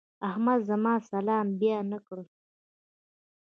احمد زما سلام بيا نه کړ.